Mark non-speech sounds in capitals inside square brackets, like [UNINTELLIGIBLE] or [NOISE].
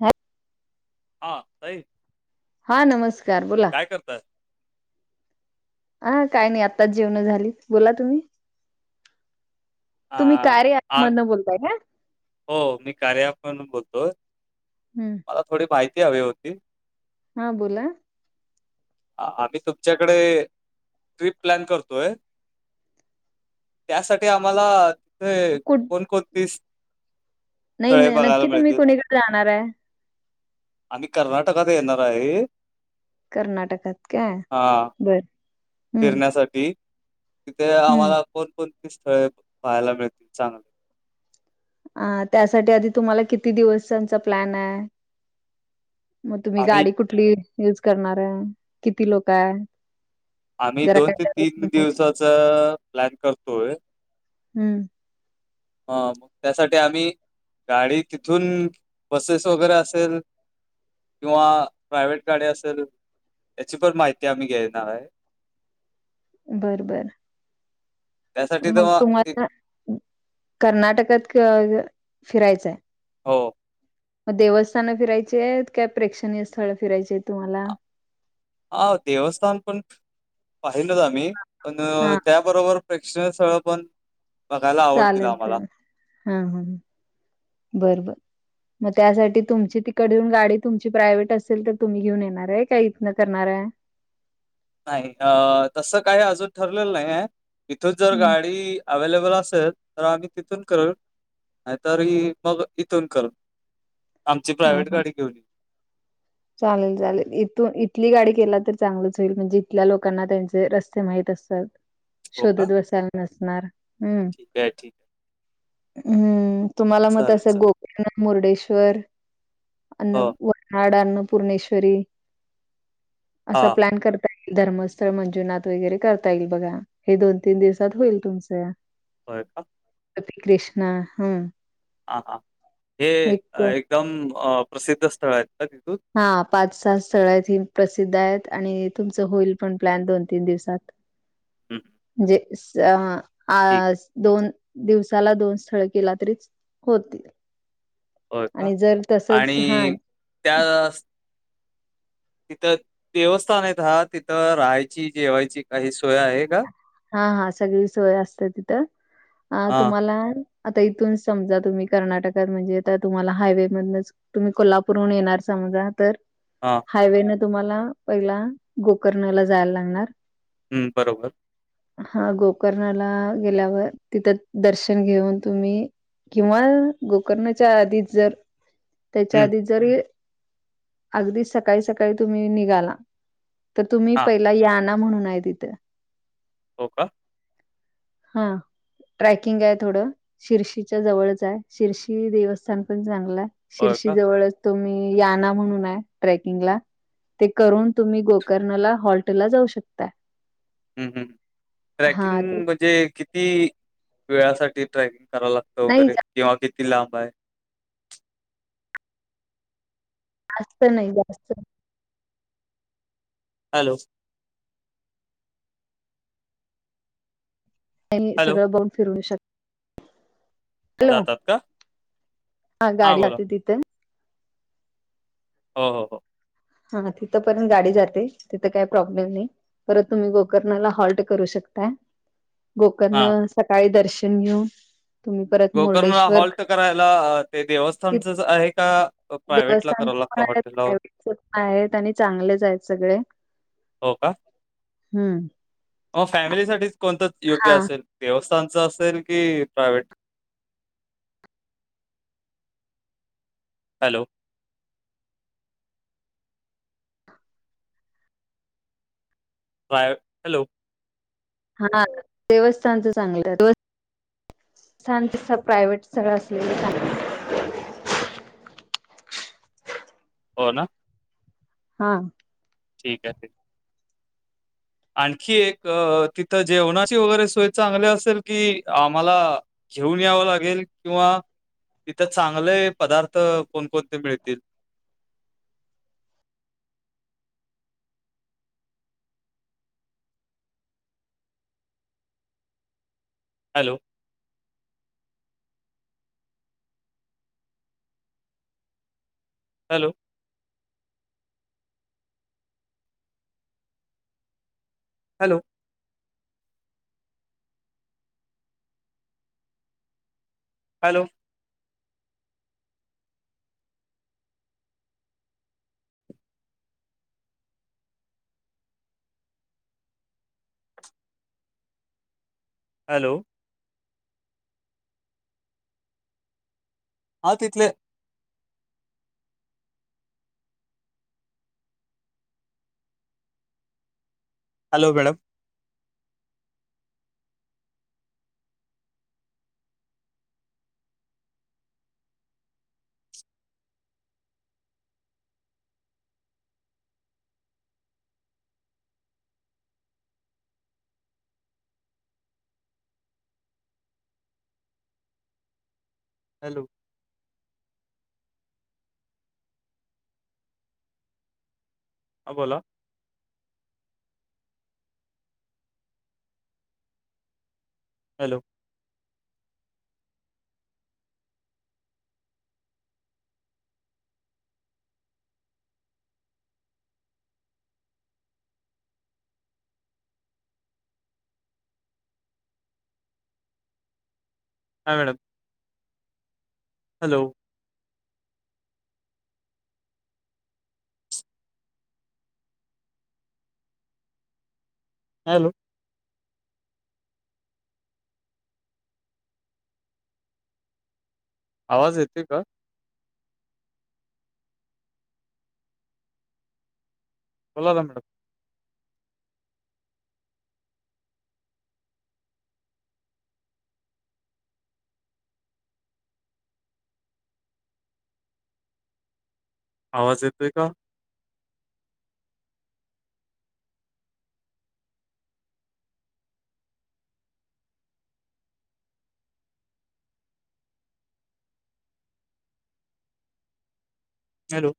हे हा ताई हा नमस्कार बोला. काय करताय? हा काय नाही आताच जेवणं झाली बोला तुम्ही. आ तुम्ही कार्य ॲप आ मधनं बोलताय का हो मी कार्य ऐप म्हणून बोलतोय. हम्म. अ थोडी माहिती हवी होती. हा बोला. अ आम्ही तुमच्याकडे ट्रिप प्लॅन करतोय त्यासाठी आम्हाला ते कुठ कोणकोणतीस- नाही ना नक्की तुम्ही कुणीकडे जाणार आहे? आम्ही कर्नाटकात येणार आहे. कर्नाटकात काय? हा बर हम्म फिरण्यासाठी तिथे हम्म आम्हाला कोणकोणती स्थळे पाहायला मिळतील चांगले? आ त्यासाठी आधी तुम्हाला किती दिवसांचा प्लॅन आहे? म तुम्ही आम्ही गाडी कुठली युज करणार आहे? किती लोकं आहे? आम्ही जरा दोन काय ते त्याबद्दल तीन माहिती दिवसाचा प्लॅन करतोय. हम्म. हा मग त्यासाठी आम्ही गाडी तिथून बसेस वगैरे असेल किंवा प्रायव्हेट गाडी असेल याची पण माहिती आम्ही घेणार आहे. बर, बर. त्यासाठी मग तेव्हा ते तुम्हाला कर्नाटकात क फिरायचं आहे? हो. मग देवस्थान फिरायची आहेत काय प्रेक्षणीय स्थळ फिरायचे आहेत तुम्हाला? हा देवस्थान पण पाहिलंच आम्ही, पण हा त्या बरोबर प्रेक्ष सह पण बघायला आवडतील चालेल आम्हाला. तर ह ह बरबर. म त्यासाठी तुमची तिकडून गाडी तुमची प्रायव्हेट असेल तर तुम्ही घेऊन येणार आहे काय इथनं करणार आहे? नाही अ तसं काही अजून ठरलेलं नाही आहे इथं जर हं. गाडी अवेलेबल असेल तर आम्ही तिथून करल नाही तर ही मग इथून कर. आमची हा प्रायव्हेट हा गाडी घेऊन ये. [INAUDIBLE] चालेल चालेल. इथून इथली गाडी केला तर चांगलंच होईल म्हणजे इथल्या लोकांना त्यांचे रस्ते माहीत असतात. [INAUDIBLE] शोधत बसायला नसणार. हम्म, ठीक आहे, ठीक आहे. हम्म. तुम्हाला मग चालेल, तसं चालेल. गोकर्ण, मुर्डेश्वर हो. अन्न वर्हाड अन्न पूर्णेश्वरी असा हां. प्लॅन कर धर्मस्थळ मंजुनाथ वगैरे करता येईल बघा. हे दोन तीन दिवसात होईल तुमचं. होय का? ती कृष्णा हम्म. हां हां. हे एक एकदम अ प्रसिद्ध स्थळ आहेत का तिथून? हा पाच सहा स्थळ आहेत हि प्रसिद्ध आहेत आणि तुमचं होईल पण प्लॅन दोन तीन दिवसात. हं, म्हणजे असा ठीक. आस दोन दिवसाला दोन स्थळ केला तरीच होतील. होय का? आणि जर तसच हा आणि त्यास तिथं देवस्थान आहेत हा तिथं राहायची, जेवायची काही सोय आहे? का? हा हा सगळी सोय असते तिथं. अ हां, तुम्हाला आता इथून समजा तुम्ही कर्नाटकात म्हणजे आता तुम्हाला हायवेमधूनच तुम्ही कोल्हापूरहून येणार समजा तर हां. हायवेन तुम्हाला पहिला गोकर्णला जायला लागणार. हम्म बरोबर. हा गोकर्णाला गेल्यावर तिथं दर्शन घेऊन तुम्ही किंवा गोकर्णच्या आधीच जर त्याच्या हं, आधीच जरी आगदी सकाळी सकाळी तुम्ही निघाला तर तुम्ही हां. पहिला याना म्हणून आहे तिथं. हो का? हा. ट्रॅकिंग आहे थोडं शिर्शीच्या जवळच आहे शिर्शी देवस्थान पण चांगल हाय. होय का? शिर्षी जवळच तुम्ही याना म्हणून आहे ट्रॅकिंगला. ते करून तुम्ही गोकर्णला हॉल्टलला जाऊ शकताय. हम्म हम्म. हा ते ट्रॅकिंग म्हणजे किती वेळासाठी ट्रॅकिंग करा लाग नाही वगैरे किंवा और किती लांब हाय? जास्त नाही, जास्त नाही. हॅलो. आणि हॅलो. सगळं [UNINTELLIGIBLE] फिरवू शक हॅलो. जातात का? हा हां, गाडी बोला. जाते ती हो, हो. हा हा तिथंपर्यंत गाडी जाते, तिथं काही प्रॉब्लेम नाही. परत तुम्ही गोकर्णाला हॉल्ट करू शकताय. हां. गोकर्ण सकाळी दर्शन घेऊन. तुम्ही परत गोकर्ण मुर्डेश्वर हॉल्ट करायला ते देवस्थानचच आहे का. अ, प्रायव्हेटला देवस्थानच करावं पण लागतं आहेत हॉटेलला? प्रायटच पण आहेत आणि चांगलेच आहेत सगळे. हो का हम्म फॅमिलीसाठीच कोणताच योग्य हा असेल. देवस्थानचं असेल की प्रायव्हेट? हॅलो. प्राय हॅलो. हा आ देवस्थानचं चांगलं हाय देव थांब तेचा प्रायव्हेट स्थळ असलेले सांग हो ना. हा ठीक आहे. आणखी एक तिथं जेवणाची वगैरे सोय चांगली असेल कि आम्हाला. घेऊन यावं लागेल किंवा तिथं चांगले पदार्थ कोणकोणते मिळतील. Hello hello hello hello hello हा तिथले हॅलो मॅडम हॅलो हां बोला हॅलो हां मॅडम हॅलो हॅलो आवाज येते का बोलाना मॅडम आवाज येतोय का हॅलो